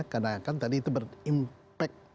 karena kan tadi itu berimpak